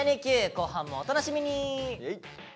後半もお楽しみに。